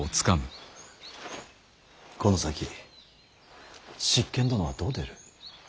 この先執権殿はどう出る？